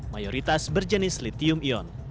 mayoritas berjenis litium ion